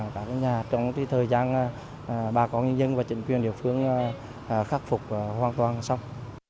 các nhà trong thời gian bà con nhân dân và chính quyền địa phương khắc phục hoàn toàn xong